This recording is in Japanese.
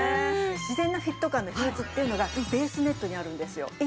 自然なフィット感の秘密っていうのがベースネットにあるんですよ。